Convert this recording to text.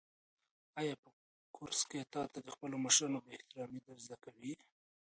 آیا په کورس کې تاته د خپلو مشرانو بې احترامي در زده کوي؟